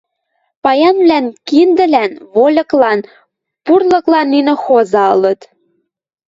Паянвлӓн киндӹлӓн, вольыклан, пурлыклан нинӹ хоза ылыт.